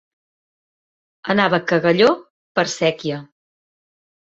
Anava cagalló per sèquia.